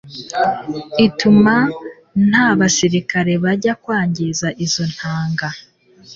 ituma nta basirikari bajya kwangiza izo ntanga.